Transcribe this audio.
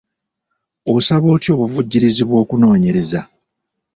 Osaba otya obuvujjirizi bw'okunoonyereza?